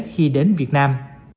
khi đến việt nam